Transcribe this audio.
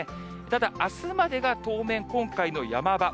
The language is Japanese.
ただ、あすまでが当面、今回のヤマ場。